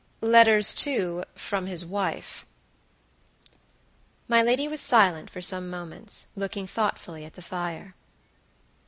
"Letters, too, from his wife." My lady was silent for some few moments, looking thoughtfully at the fire.